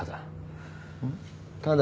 ただ。